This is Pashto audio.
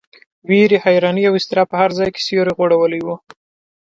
وېرې، حیرانۍ او اضطراب په هر ځای کې سیوری غوړولی و.